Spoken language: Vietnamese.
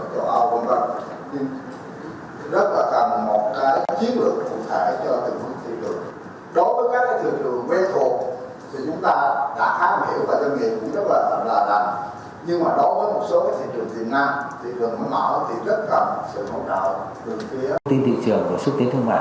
trước legs thông tin thị trường rồi xúc tiến thương mại